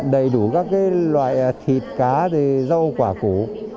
đầy đủ các loại thịt cá rau quả cũ